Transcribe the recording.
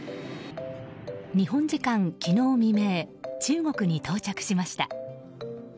日本時間昨日未明中国に到着しました。